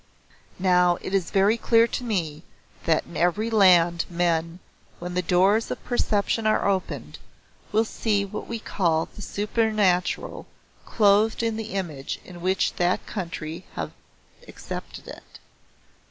Now it is very clear to me that in every land men, when the doors of perception are opened, will see what we call the Supernatural clothed in the image in which that country has accepted it.